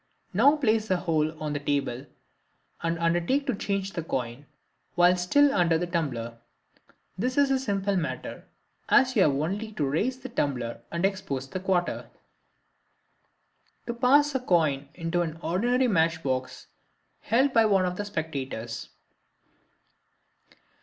Now place the whole on the table and undertake to change the coin while still under the tumbler. This is a simple matter, as you have only to raise the tumbler and expose the quarter. To Pass a Coin into an Ordinary Matchbox held by One of the Spectators.